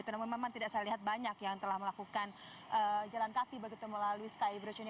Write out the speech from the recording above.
namun memang tidak saya lihat banyak yang telah melakukan jalan kaki begitu melalui skybridge ini